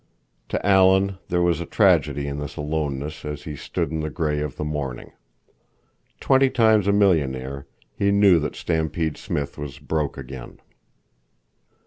To Alan there was tragedy in his aloneness as he stood in the gray of the morning. Twenty times a millionaire, he knew that Stampede Smith was broke again.